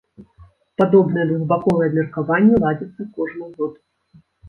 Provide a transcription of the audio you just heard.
Падобныя двухбаковыя абмеркаванні ладзяцца кожны год.